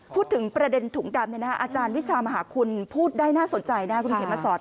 พูดถึงประเด็นถุงดำอาจารย์วิชามหาคุณพูดได้น่าสนใจนะคุณเขียนมาสอน